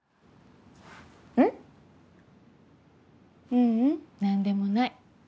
ううん何でもない。